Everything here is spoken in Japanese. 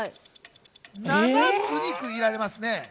７つに区切られます。